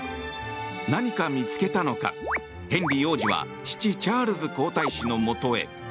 何か見つけたのかヘンリー王子は父チャールズ皇太子のもとへ。